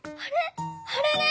あれれ？